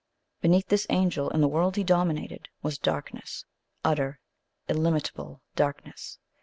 Beneath this Angel and the world he dominated was darkness utter illimitable darkness.